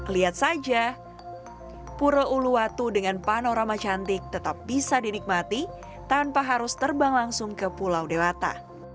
lihat saja pura uluwatu dengan panorama cantik tetap bisa dinikmati tanpa harus terbang langsung ke pulau dewata